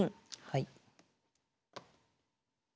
はい。